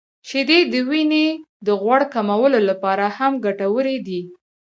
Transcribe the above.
• شیدې د وینې د غوړ کمولو لپاره هم ګټورې دي.